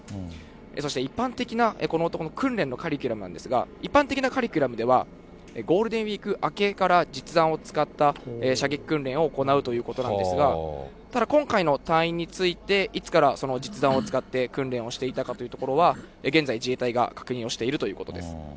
そして一般的なこの男の訓練のカリキュラムなんですが、一般的なカリキュラムでは、ゴールデンウィーク明けから実弾を使った射撃訓練を行うということなんですが、ただ、今回の隊員について、いつから実弾を使って訓練をしていたかというところは、現在、自衛隊が確認をしているということです。